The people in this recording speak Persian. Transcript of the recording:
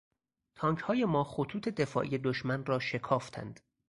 تانکهای ما خطوط دفاعی دشمن را شکافتند.